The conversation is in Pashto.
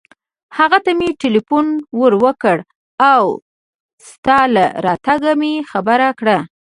هغه ته مې ټېلېفون ور و کړ او ستا له راتګه مې خبر کړ.